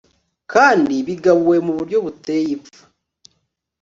kandi bigabuwe mu buryo buteye ipfa